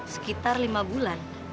sekitar lima bulan